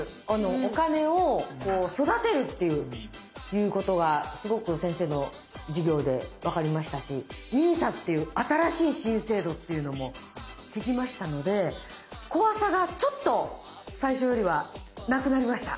お金を育てるっていうことがすごく先生の授業で分かりましたしＮＩＳＡっていう新しい新制度っていうのも聞きましたので怖さがちょっと最初よりはなくなりました。